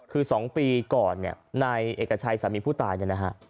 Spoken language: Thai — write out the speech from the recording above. คือ๒ปีก่อนเนี่ยนายเอกชัยสามีผู้ตายเนี่ยนะฮะ